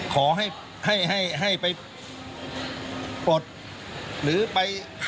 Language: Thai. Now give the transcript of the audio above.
ขอให้ให้ไปปลดหรือไป